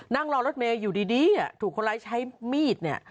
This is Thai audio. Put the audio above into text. นั่งรอรถเมย์อยู่ดีถูกคนร้ายใช้มีดเนี่ย